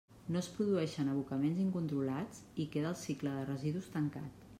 No es produeixen abocaments incontrolats, i queda el cicle de residus tancat.